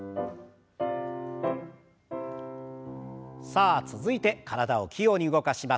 さあ続いて体を器用に動かします。